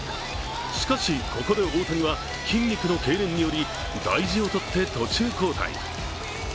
しかし、ここで大谷は筋肉のけいれんにより大事を取って途中交代。